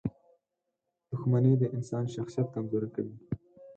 • دښمني د انسان شخصیت کمزوری کوي.